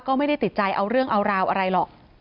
ก็ไม่ได้ติดใจเอาเรื่องเอาราวอะไรหรอก